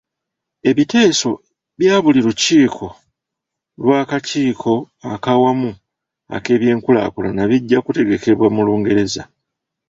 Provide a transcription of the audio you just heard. Ebiteeso bya buli lukiiko lw'akakiiko ak'awamu ak'ebyenkulaakulana bijja kutegekebwa mu Lungereza.